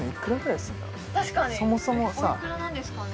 確かにそもそもさおいくらなんですかね？